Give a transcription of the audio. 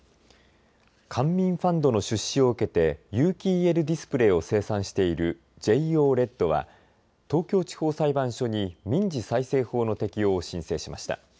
官民ファンドの出資を受けて有機ＥＬディスプレーを生産しているＪＯＬＥＤは東京地方裁判所に民事再生法の適用を申請しました。